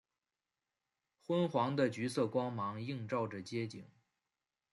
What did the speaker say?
昏黄的橘色光芒映照着街景